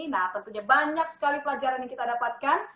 nah tentunya banyak sekali pelajaran yang kita dapatkan